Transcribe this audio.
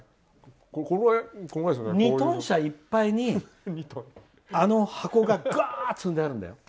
２トン車いっぱいに、あの箱がガーっと積んであるんだよ。